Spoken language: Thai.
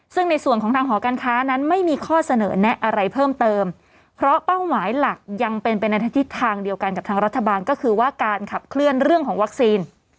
ซึ่งในส่วนของทางหอการค้านั้นไม่มีข้อเสนอแนะอะไรเพิ่มเติมเพราะเป้าหมายหลักยังเป็นไปในทิศทางเดียวกันกับทางรัฐบาลก็คือว่าการขับเคลื่อนเรื่องของวัคซีน